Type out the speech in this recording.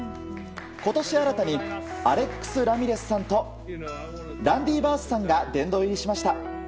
今年、新たにアレックス・ラミレスさんとランディ・バースさんが殿堂入りしました。